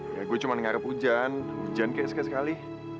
ya gue cuma ngarep hujan hujan kayak sekali